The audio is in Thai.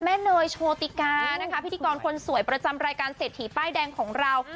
เนยโชติกานะคะพิธีกรคนสวยประจำรายการเศรษฐีป้ายแดงของเรา